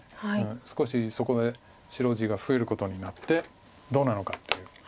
少しそこで白地が増えることになってどうなのかっていう。